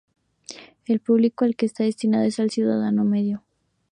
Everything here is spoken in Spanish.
El público al que está destinado es al ciudadano medio.